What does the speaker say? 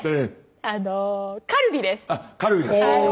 あのカルビですか。